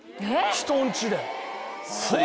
人んちで。